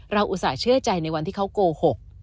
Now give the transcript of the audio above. อุตส่าห์เชื่อใจในวันที่เขาโกหก